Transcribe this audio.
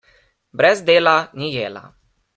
Brez dela ni jela.